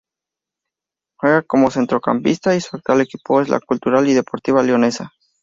Juega como centrocampista y su actual equipo es la Cultural y Deportiva Leonesa.